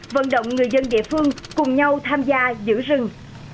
vận động người dân địa phương cùng nhau tham gia giữ rừng